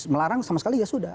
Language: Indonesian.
melarang sama sekali ya sudah